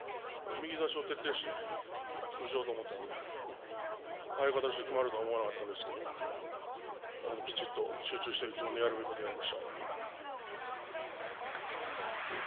右差しを徹底して封じようと思ったのでああいう形できまるとは思わなかったですけれどもきちんと集中して自分のやるべきことをやりました。